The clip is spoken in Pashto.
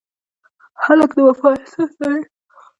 هلک د وفا احساس لري.